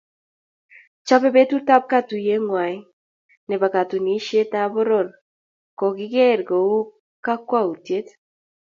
Chobetab katuiyonotongwai nebo konetisietab poror kokiger kou kakwautiet